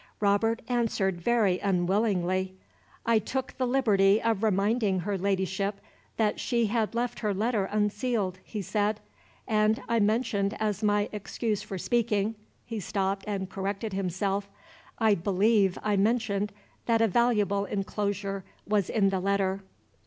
Robert answered very unwillingly. "I took the liberty of reminding her ladyship that she had left her letter unsealed," he said. "And I mentioned as my excuse for speaking," he stopped, and corrected himself "I believe I mentioned that a valuable inclosure was in the letter."